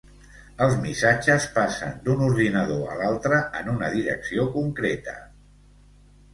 Els missatges passen d'un ordinador a l'altre en una direcció concreta.